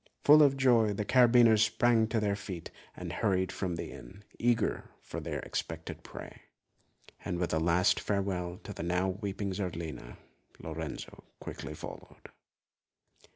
Full of joy, the carbineers sprang to their feet and hurried from the inn, eager for their expected prey; and with a last sad farewell to the now weeping Zerlina, Lorenzo quickly followed.